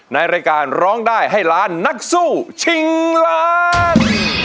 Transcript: ในรายการร้องได้ให้ล้านนักสู้ชิงล้าน